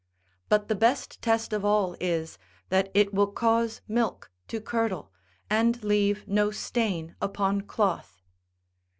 But the best test of all is, that it will cause milk to curdle, and leave no stain upon cloth.